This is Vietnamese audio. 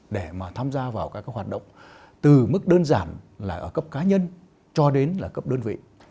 để mà tham gia vào các hoạt động từ mức đơn giản là ở cấp cá nhân cho đến là cấp đơn vị